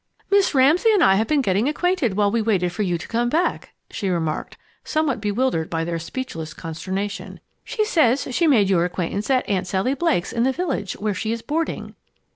"Miss Ramsay and I have been getting acquainted while we waited for you to come back," she remarked, somewhat bewildered by their speechless consternation. "She says she made your acquaintance at Aunt Sally Blake's in the village, where she is boarding."